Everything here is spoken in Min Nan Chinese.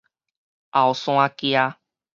后山崎